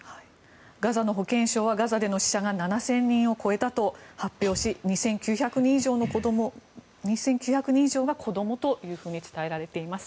ガザの保健省はガザでの死者が７０００人を超えたと発表し、２９００人以上が子供というふうに伝えられています。